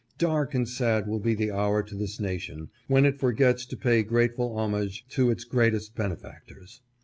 "Dark and sad will be the hour to this nation when it forgets to pay grateful homage to its greatest benefactors.